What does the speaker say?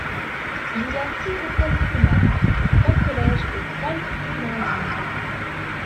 Il y a six écoles primaires, trois collèges et trois lycées dans la ville.